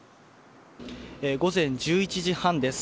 午前１１時半です。